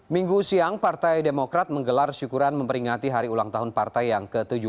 minggu siang partai demokrat menggelar syukuran memperingati hari ulang tahun partai yang ke tujuh belas